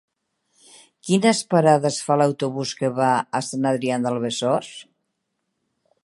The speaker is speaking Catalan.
Quines parades fa l'autobús que va a Sant Adrià de Besòs?